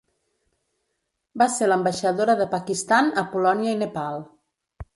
Va ser l'ambaixadora de Pakistan a Polònia i Nepal.